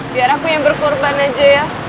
biar aku yang berkorban aja ya